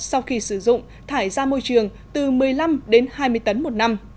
sau khi sử dụng thải ra môi trường từ một mươi năm đến hai mươi tấn một năm